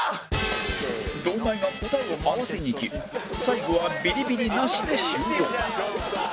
堂前が答えを合わせにいき最後はビリビリなしで終了